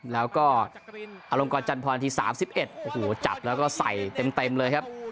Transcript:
แล้วก็อลงกรจันทรนาที๓๑โอ้โหจับแล้วก็ใส่เต็มเลยครับ